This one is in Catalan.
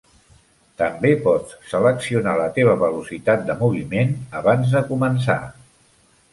També pots seleccionar la teva velocitat de moviment abans de començar.